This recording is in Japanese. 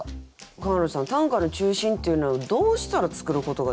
川野さん「短歌の中心」っていうのはどうしたら創ることができるんですかね。